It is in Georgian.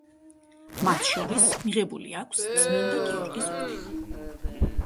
მათ შორის მიღებული აქვს წმინდა გიორგის ორდენი.